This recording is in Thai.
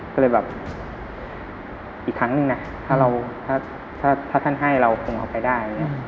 ก็เลยแบบอีกครั้งนึงนะถ้าท่านให้เราคงเอาไปได้